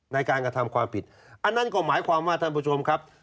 ในการกระทำความผิดอันนั้นก็หมายความว่าท่านผู้ชมครับ